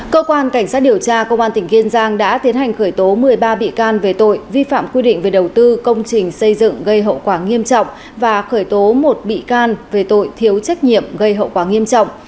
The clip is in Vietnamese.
cơ quan cảnh sát điều tra công an tỉnh kiên giang đã tiến hành khởi tố một mươi ba bị can về tội vi phạm quy định về đầu tư công trình xây dựng gây hậu quả nghiêm trọng và khởi tố một bị can về tội thiếu trách nhiệm gây hậu quả nghiêm trọng